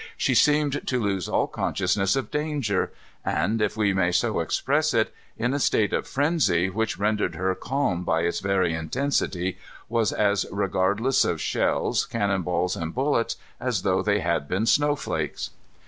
She seemed to lose all consciousness of danger, and, if we may so express it, in a state of frenzy which rendered her calm by its very intensity, was as regardless of shells, cannon balls, and bullets, as though they had been snowflakes.